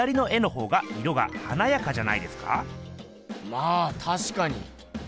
まあたしかに。